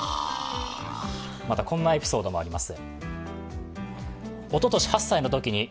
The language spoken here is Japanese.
こんなエピソードもあります。